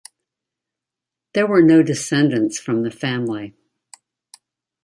There were no descendants from the family.